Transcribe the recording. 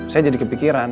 saya jadi kepikiran